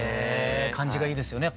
感じがいいですよね